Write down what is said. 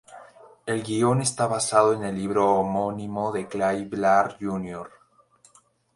El guion está basado en el libro homónimo de Clay Blair Jr.